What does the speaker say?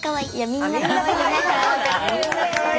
みんなかわいいよ。